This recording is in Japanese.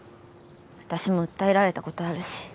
私も訴えられた事あるし。